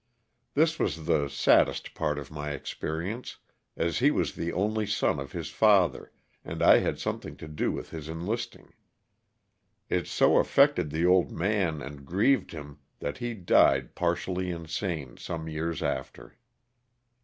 This was the saddest part of my experience, as he was the only son of his father and I had something to do with his enlisting. It so affected the old man and grieved him that ho died par tially insane some years after.